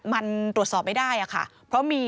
มันตรวจสอบไม่ได้ค่ะเพราะมี